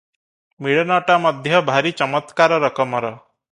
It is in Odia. ମିଳନଟା ମଧ୍ୟ ଭାରି ଚମତ୍କାର ରକମର ।